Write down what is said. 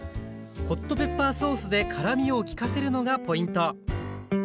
ホットペッパーソースで辛みを利かせるのがポイント